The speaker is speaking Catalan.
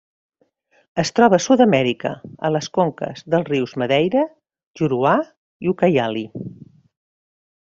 Es troba a Sud-amèrica, a les conques dels rius Madeira, Juruá i Ucayali.